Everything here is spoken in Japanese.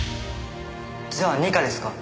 じゃあ二課ですか？